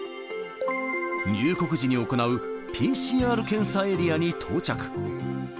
入国時に行うＰＣＲ検査エリアに到着。